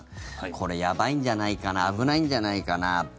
これ、やばいんじゃないかな危ないんじゃないかなって。